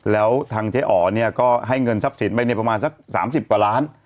แล้วทางเจ๊อ๋อเนี่ยก็ให้เงินทรัพย์สินไปเนี่ยประมาณสัก๓๐กว่าล้าน